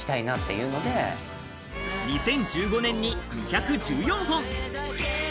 ２０１５年に２１４本！